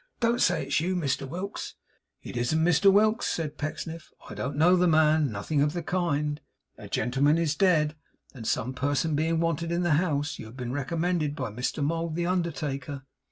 Don't say it's you, Mr Whilks!' 'It isn't Mr Whilks,' said Pecksniff. 'I don't know the man. Nothing of the kind. A gentleman is dead; and some person being wanted in the house, you have been recommended by Mr Mould the undertaker.